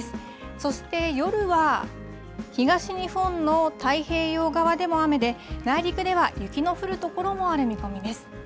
そして夜は、東日本の太平洋側でも雨で、内陸では雪の降る所もある見込みです。